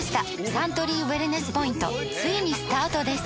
サントリーウエルネスポイントついにスタートです！